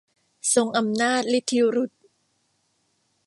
ทรงอำนาจฤทธิรุทธ์